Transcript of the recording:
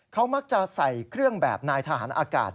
เขามักจะใส่เครื่องแบบนายทหารอากาศ